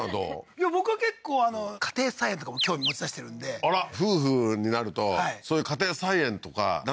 いや僕は結構家庭菜園とかも興味持ちだしてるんであら夫婦になるとそういう家庭菜園とかだんだんなってくる？